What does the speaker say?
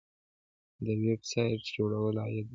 د ویب سایټ جوړول عاید لري